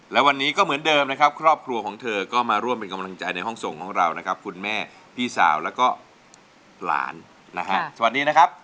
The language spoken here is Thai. และวันนี้ก็เหมือนเดิมนะครับครอบครัวของเธอก็มาร่วมเป็นกำลังใจในห้องส่งของเรานะครับคุณแม่พี่สาวแล้วก็หลานนะฮะสวัสดีนะครับ